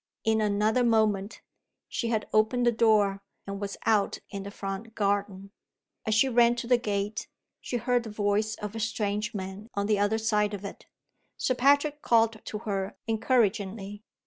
In another moment, she had opened the door, and was out in the front garden. As she ran to the gate, she heard the voice of a strange man on the other side of it. Sir Patrick called to her encouragingly.